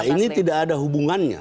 ini tidak ada hubungannya